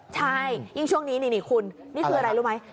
ใช่ยิ่งช่วงนี้นี่คุณนี่คืออะไรรู้ไหม